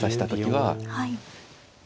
はい。